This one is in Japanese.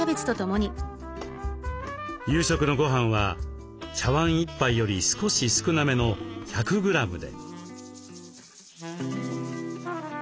夕食のごはんは茶わん１杯より少し少なめの１００グラムで。